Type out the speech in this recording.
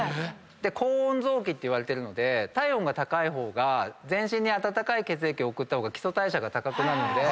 高温臓器っていわれてるので体温が高い方が全身に温かい血液送った方が基礎代謝が高くなるので。